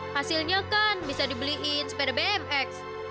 hasilnya kan bisa dibeliin sepeda bmx